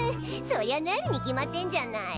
そりゃなるに決まってんじゃない。